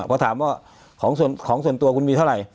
พอถามว่าของส่วนตัวคุณมีเท่าไหร่